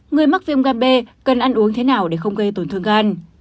người mắc viêm gan b cần ăn uống thế nào để không gây tổn thương gan